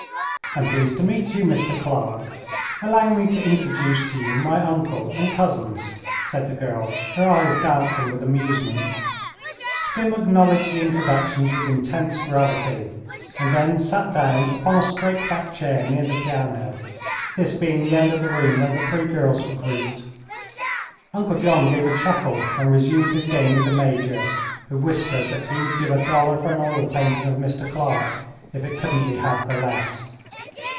"I'm pleased to meet you, Mr. Clark. Allow me to introduce to you my uncle and cousins," said the girl, her eyes dancing with amusement. Skim acknowledged the introductions with intense gravity, and then sat down upon a straight backed chair near the piano, this being the end of the room where the three girls were grouped. Uncle John gave a chuckle and resumed his game with the Major, who whispered that he would give a dollar for an oil painting of Mr. Clark if it couldn't be had for less.